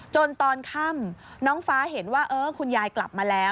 ตอนค่ำน้องฟ้าเห็นว่าคุณยายกลับมาแล้ว